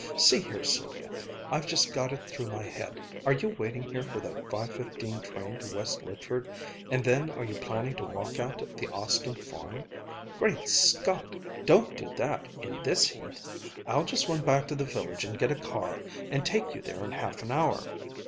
"See here, Sylvia, I've just got it through my head. Are you waiting here for that five fifteen train to West Lydford and then are you planning to walk out to the Austin Farm? Great Scott! don't do that, in this heat. I'll just run back to the village and get a car and take you there in half an hour."